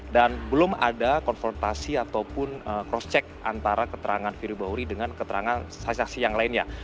dan belum ada konfrontasi ataupun crosscheck antara keterangan firly bahuri dengan keterangan saksi saksi yang lainnya